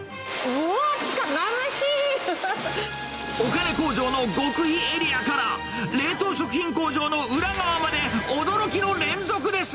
お金工場の極秘エリアから、冷凍食品工場の裏側まで、驚きの連続です。